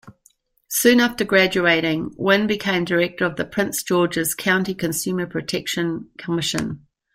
Soon after graduating, Wynn became director of the Prince George's County Consumer Protection Commission.